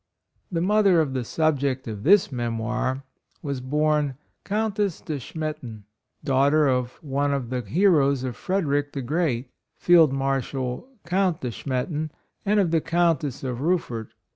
The mother of the subject of this Memoir, was born Countess De Schmettan, daughter of one of the heroes of Frederick, the Great, Field Marshal Count De Schmet tan, and of the Countess of Ruffert.